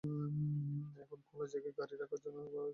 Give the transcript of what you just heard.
এখন খোলা জায়গায় গাড়ি রাখার ফলে গাড়ির কাঠামোগত সুরক্ষা হচ্ছে না।